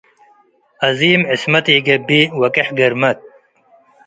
አዚም ዕስመት ኢገብእ ወቄሕ ግርመት።